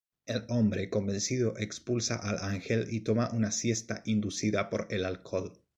El hombre, convencido, expulsa al ángel y toma una siesta inducida por el alcohol.